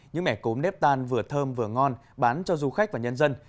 những mẻ cốm nếp tan vừa thơm vừa ngon bán cho du khách và nhân dân